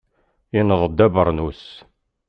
Yenneḍ-d abeṛnus.